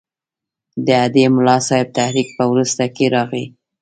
د هډې د ملاصاحب تحریک په وروسته کې راغی.